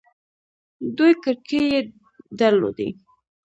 دوې کړکۍ يې در لودې.